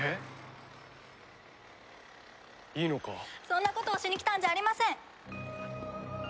そんなことをしに来たんじゃありません！